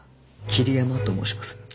桐山と申します。